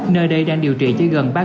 nơi đây đang điều trị cho gần